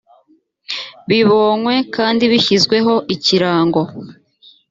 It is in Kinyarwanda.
bibonywe kandi bishyizweho ikirango